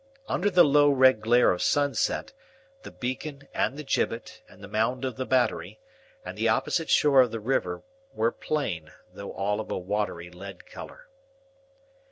Under the low red glare of sunset, the beacon, and the gibbet, and the mound of the Battery, and the opposite shore of the river, were plain, though all of a watery lead colour.